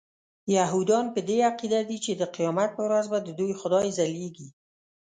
یهودان په دې عقیده دي چې د قیامت په ورځ به ددوی خدای ځلیږي.